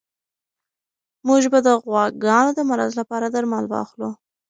موږ به د غواګانو د مرض لپاره درمل واخلو.